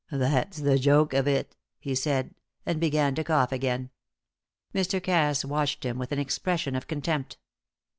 "That's the joke of it," he said, and began to cough again. Mr. Cass watched him with an expression of contempt.